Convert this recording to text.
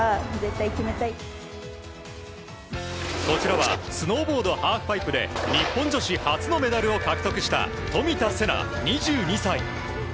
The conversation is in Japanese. こちらはスノーボード・ハーフパイプで日本女子初のメダルを獲得した冨田せな、２２歳。